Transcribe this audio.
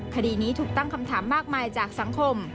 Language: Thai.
คดีนี้ถูกตั้งคำถามมากมายจากสังคม